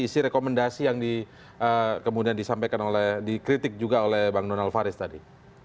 isi rekomendasi yang kemudian disampaikan oleh dikritik juga oleh bang donald faris tadi